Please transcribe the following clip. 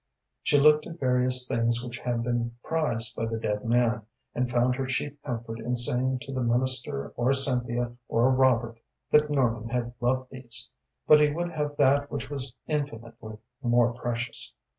She looked at various things which had been prized by the dead man, and found her chief comfort in saying to the minister or Cynthia or Robert that Norman had loved these, but he would have that which was infinitely more precious.